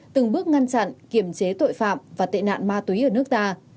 từng bước ngăn chặn kiểm chế tội phạm và tệ nạn ma túy ở nước ta